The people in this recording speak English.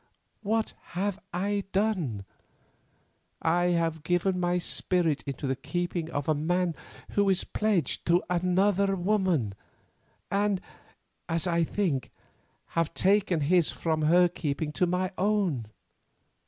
What have I done? I have given my spirit into the keeping of a man who is pledged to another woman, and, as I think, have taken his from her keeping to my own.